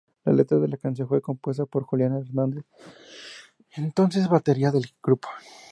La letra de la canción fue compuesta por Julián Hernández, entonces batería del grupo.